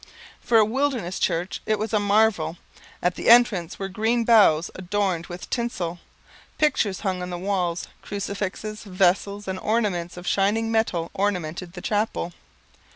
For a wilderness church it was a marvel. At the entrance were green boughs adorned with tinsel; pictures hung on the walls; crucifixes, vessels, and ornaments of shining metal ornamented the chapel.